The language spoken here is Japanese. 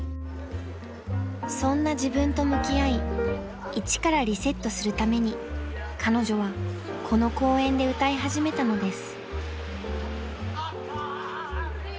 ［そんな自分と向き合い一からリセットするために彼女はこの公園で歌い始めたのです］